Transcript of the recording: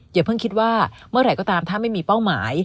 อย่าเพิ่งคิดว่าเมื่อไหร่ก็ตามถ้าไม่มีเป้าหมาย